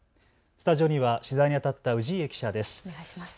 スタジオには取材にあたった氏家記者です。